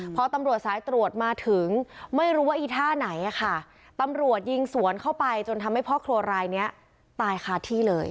พอตำรวจสายตรวจมาถึงไม่รู้ว่าอีท่าไหนอะค่ะตำรวจยิงสวนเข้าไปจนทำให้พ่อครัวรายนี้ตายคาที่เลย